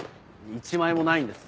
１枚もないんです。